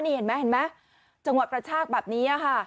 นี่เห็นไหมเห็นไหมจังหวะกระชากแบบนี้ค่ะ